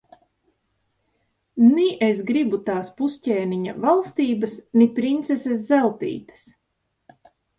Ni es gribu tās pusķēniņa valstības, ni princeses Zeltītes.